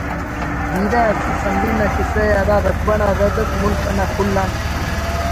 بیرہ اسہ سمرین نا کسہ ءِ ہرا رقبہ نا رد اٹ ملک انا کل آن